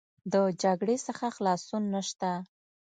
د جګړې څخه خلاصون نشته.